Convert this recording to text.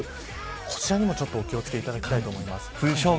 こちらにもお気を付けいただきたいと思います。